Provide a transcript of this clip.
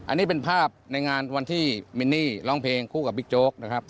อันนี้เป็นภาพในงานวันที่มินนี่ร้องเพลงคู่กับบิ๊กโจ๊กนะครับ